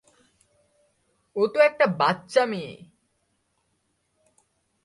ও তো একটা বাচ্চা মেয়ে।